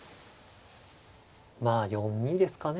まあ４二ですかね。